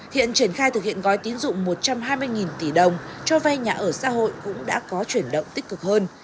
hiện triển khai thực hiện gói tín dụng một trăm hai mươi tỷ đồng cho vay nhà ở xã hội cũng đã có chuyển động tích cực hơn